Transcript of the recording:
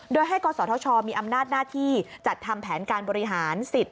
โดยให้กศธชมีอำนาจหน้าที่จัดทำแผนการบริหารสิทธิ์